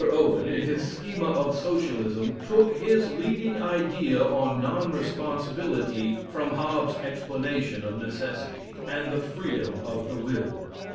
Owen, in his schema of Socialism, took his leading idea on non responsibility from Hobbes's explanation of necessity, and the freedom of the will.